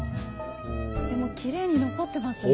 でもきれいに残ってますね。